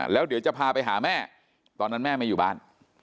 แล้วเดี๋ยวจะพาไปหาแม่ตอนนั้นแม่ไม่อยู่บ้าน